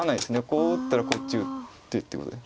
こう打ったらこっち打ってってことで。